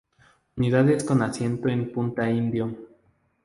Unidades con asiento en Punta Indio.